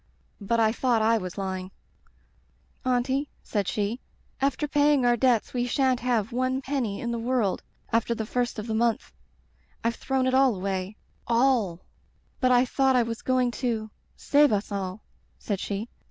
*'But I thought I was lying. "* Auntie,' said she, * after paying our debts we sha'n't have one penny in the world after the first of the month. I've thrown it all away — ^all — ^but I thought I was going to — ^save us all,' said she.